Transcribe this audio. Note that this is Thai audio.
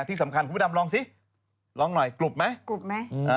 ที่สำคัญคุณผู้ดำลองสิลองหน่อยกลุบไหม